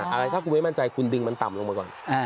อะไรถ้าคุณไม่มั่นใจคุณดึงมันต่ำลงมาก่อน